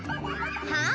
・はあ？